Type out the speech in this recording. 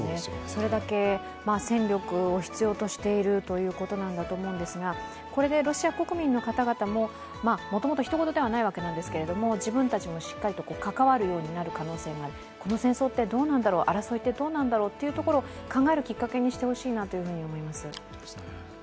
それだけ戦力を必要としているということなんだと思いますがこれでロシア国民の方々ももともとひと事ではないわけなんですが、自分たちもしっかりと関わるようになる可能性もあり、この戦争ってどうなんだろう、争いってどうなんだろうと考えるきっかけにしてほしいなと思います。